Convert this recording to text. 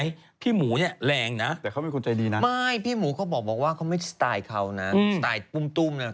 สไตล์ปุ้มตุ้มเขาทำไม่ได้